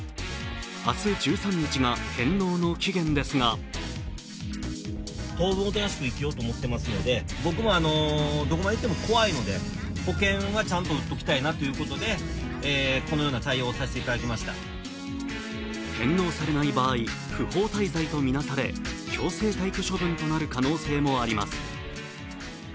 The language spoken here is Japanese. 明日１３日が返納の期限ですが返納されない場合不法滞在とみなされ強制退去処分となる可能性もあります。